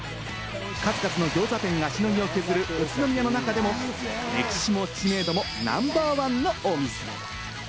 数々のギョーザ店がしのぎを削る宇都宮の中でも歴史も知名度もナンバーワンのお店。